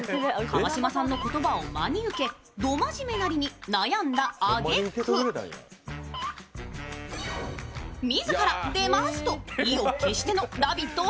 川島さんの言葉を真に受けド真面目なりに悩んだあげく自ら、出ますと意を決しての「ラヴィット！」